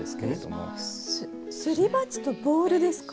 すり鉢とボールですか？